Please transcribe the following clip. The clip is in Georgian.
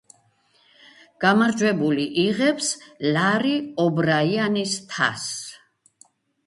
გამარჯვებული იღებს ლარი ობრაიანის თასს.